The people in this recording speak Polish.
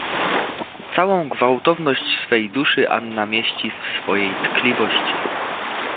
"Całą gwałtowność swej duszy, Anna mieści w swojej tkliwości."